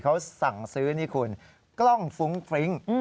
เขาสั่งซื้อนี่คุณกล้องฟรุ้งฟริ้ง